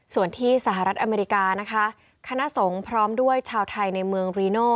ส่วนที่สหรัฐอเมริกานะคะคณะสงฆ์พร้อมด้วยชาวไทยในเมืองรีโน่